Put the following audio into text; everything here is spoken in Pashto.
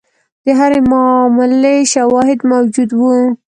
د هرې معاملې شواهد موجود وو.